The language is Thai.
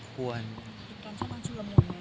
การช่วยกันชุนละมุนไงครับ